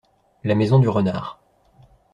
La maison du renard.